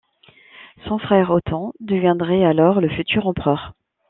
Son frère Othon deviendrait alors le futur empereur.